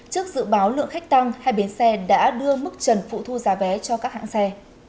trước dự báo lượng khách tăng hai bến xe đã đưa mức trần phụ thu giá vé cho các hãng xe